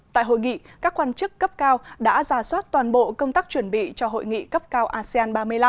tại hội nghị các quan chức cấp cao đã ra soát toàn bộ công tác chuẩn bị cho hội nghị cấp cao asean ba mươi năm